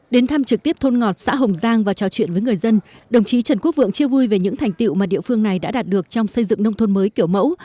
đến thăm trực tiếp thôn ngọt xã hồng giang và trò chuyện với người dân đồng chí trần quốc vượng chia vui về những thành tiệu mà địa phương này đã đạt được trong xây dựng nông thôn mới kiểu mẫu